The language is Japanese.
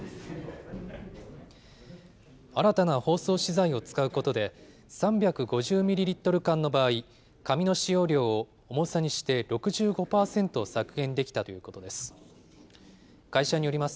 新たな包装資材を使うことで、３５０ミリリットル缶の場合、紙の使用量を重さにして６５％削減できたということです。